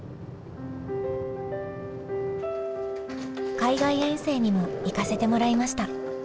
海外遠征にも行かせてもらいました。